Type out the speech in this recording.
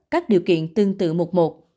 các điều kiện tương tự mục một